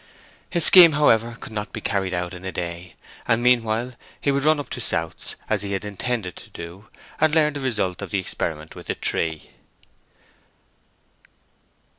His scheme, however, could not be carried out in a day; and meanwhile he would run up to South's, as he had intended to do, to learn the result of the experiment with the tree.